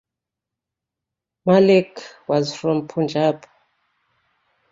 Malik was from Punjab.